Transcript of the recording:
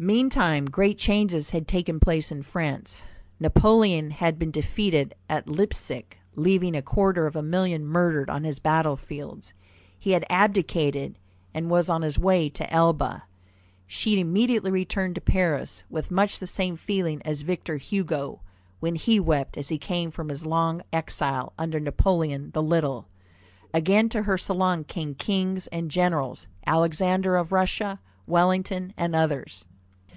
Meantime, great changes had taken place in France. Napoleon had been defeated at Leipsic, leaving a quarter of a million murdered on his battle fields; he had abdicated, and was on his way to Elba. She immediately returned to Paris, with much the same feeling as Victor Hugo, when he wept as he came from his long exile under "Napoleon the Little." Again to her salon came kings and generals, Alexander of Russia, Wellington, and others.